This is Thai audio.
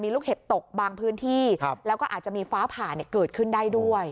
ลูกเห็บตกบางพื้นที่แล้วก็อาจจะมีฟ้าผ่าเกิดขึ้นได้ด้วย